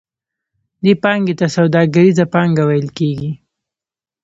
دې پانګې ته سوداګریزه پانګه ویل کېږي